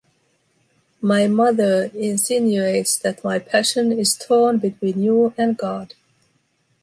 My mother insinuates that my passion is torn between you and God.